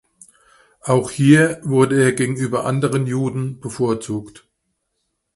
Auch hier wurde er gegenüber anderen Juden bevorzugt.